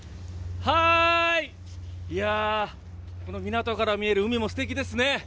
港から見える海もすてきですね。